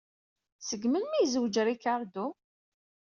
Seg melmi ay yezwej Ricardo?